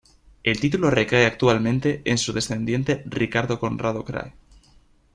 El título recae actualmente en su descendiente Ricardo Conrado Krahe.